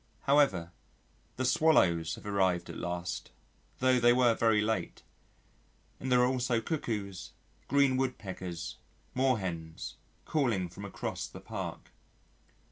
However, the Swallows have arrived at last, though they were very late, and there are also Cuckoos, Green Wood peckers, Moorhens, calling from across the park.